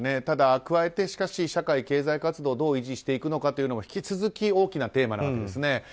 ただ、加えて社会経済活動をどう維持していくのかというところも引き続き、大きなテーマです。